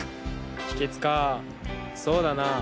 秘訣かそうだな。